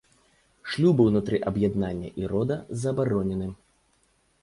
Шлюбы знутры аб'яднання і рода забаронены.